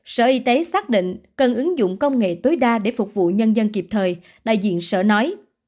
sở y tế xác định cần ứng dụng công nghệ tối đa để phục vụ nhân dân kịp thời đại diện sở nói